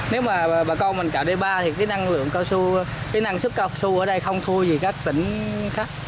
nếu mà bà con mình cạo đê ba thì cái năng lượng cao su cái năng sức cao su ở đây không thua gì các tỉnh khác